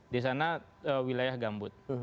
di sana wilayah gambut